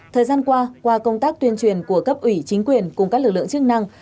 thời gian qua qua công tác tuyên truyền của cấp ủy chính quyền cùng các lực lượng chức năng